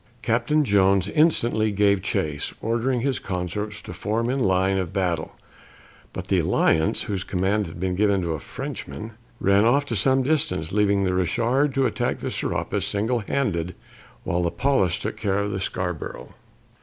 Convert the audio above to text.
Captain Jones instantly gave chase, ordering his consorts to form in line of battle, but the Alliance, whose command had been given to a Frenchman, ran off to some distance, leaving the Richard to attack the Serapis single handed, while the Pallas took care of the Scarborough.